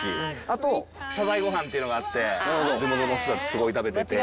あとサザエご飯っていうのがあって地元の人たちすごい食べてて。